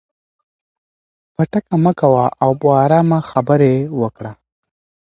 پټکه مه کوه او په ارامه خبرې وکړه.